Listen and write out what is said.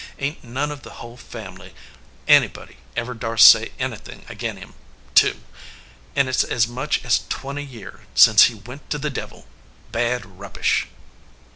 Ain t none of the hull family any body ever darse say anythin ag in him to; an it s as much as twenty year since he went to the devil. Bad rubbish!"